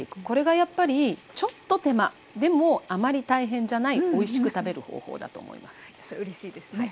これがやっぱりちょっと手間でもあまり大変じゃないおいしく食べる方法だと思います。